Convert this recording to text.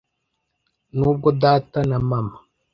nubwo data na mama